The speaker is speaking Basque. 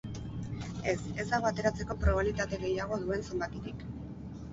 Ez, ez dago ateratzeko probabilitate gehiago duen zenbakirik.